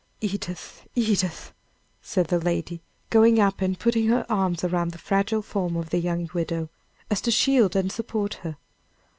"Edith! Edith!" said the lady, going up and putting her arms around the fragile form of the young widow, as to shield and support her.